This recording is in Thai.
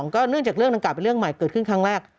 ก็เนื่องจากเรื่องดังกล่าเป็นเรื่องใหม่เกิดขึ้นครั้งแรก